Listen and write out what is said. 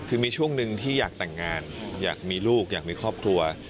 คือมีช่วงหนึ่งที่อยากแต่งงานอยากมีลูกอยากมีครอบครัว